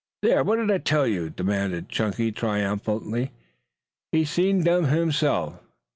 "There! What did I tell you?" demanded Chunky triumphantly. "He 'seen dem himself.'